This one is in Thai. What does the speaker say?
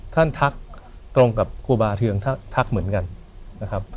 ทักตรงกับครูบาเทืองทักเหมือนกันนะครับ